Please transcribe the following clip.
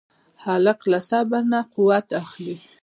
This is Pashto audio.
هلک له صبر نه قوت اخلي.